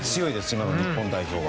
今の日本代表は。